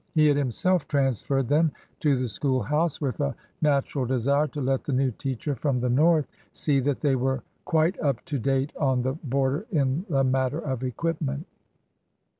He had himself transferred them to the school house, with a natural desire to let the new teacher from the North see that they were quite up to date on the border in the matter of equipment.